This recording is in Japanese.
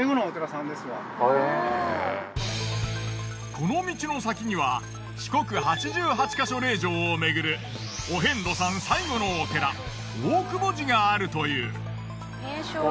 この道の先には四国八十八ヶ所霊場を巡るお遍路さん最後のお寺大窪寺があるという。